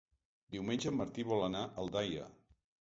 Diumenge en Martí vol anar a Aldaia.